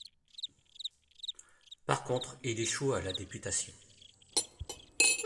Par contre, il échoue à la députation.